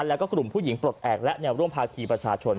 แล้วก็กลุ่มผู้หญิงปลดแอบและแนวร่วมภาคีประชาชน